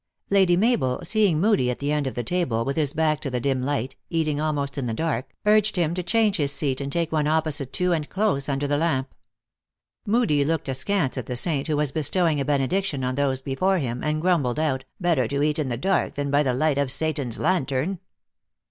Lady Mabel, seeing Moodie at the end of the table, with his back to the dim light, eating almost in the dark, urged him to change his seat, and take one op posite to and close under the lamp. Moodie looked askance at the saint, who was bestowing a benediction on those before him, and grumbled out, " Better to eat in the dark, than by the light of Satan s lantern."